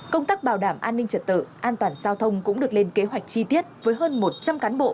công tác bảo đảm an ninh trật tự an toàn giao thông cũng được lên kế hoạch chi tiết với hơn một trăm linh cán bộ